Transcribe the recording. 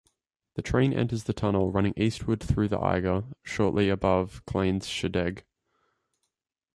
The train enters the tunnel running eastward through the Eiger shortly above Kleine Scheidegg.